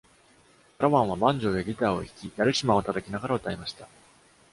Carawan はバンジョーやギターを弾き、ダルシマーを叩きながら歌いました。